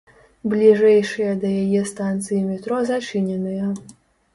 Бліжэйшыя да яе станцыі метро зачыненыя.